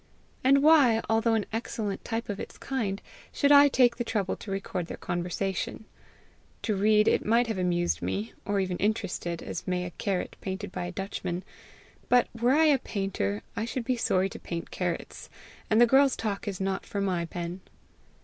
And why, although an excellent type of its kind, should I take the trouble to record their conversation? To read, it might have amused me or even interested, as may a carrot painted by a Dutchman; but were I a painter, I should be sorry to paint carrots, and the girls' talk is not for my pen.